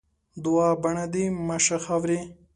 دوعا؛ بڼه دې مه شه خاوري.